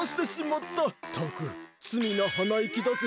ったくつみなはないきだぜ。